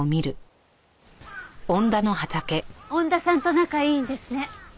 恩田さんと仲いいんですね。